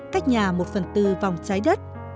cách nhà một phần tư vòng trái đất